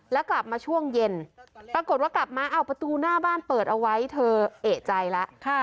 แล้วกลับมาช่วงเย็นปรากฏว่ากลับมาเอาประตูหน้าบ้านเปิดเอาไว้เธอเอกใจแล้ว